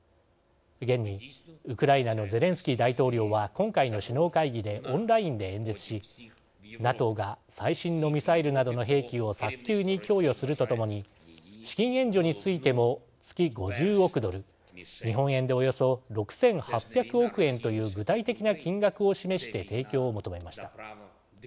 現に、ウクライナのゼレンスキー大統領は今回の首脳会議でオンラインで演説しＮＡＴＯが最新のミサイルなどの兵器を早急に供与するとともに資金援助についても月５０億ドル日本円でおよそ６８００億円という具体的な金額を示して提供を求めました。